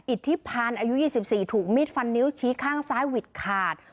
อิทธิพันธ์อายุ๒๔ถูกมีดฟันนิ้วชี้ข้างซ้ายหวิดขาด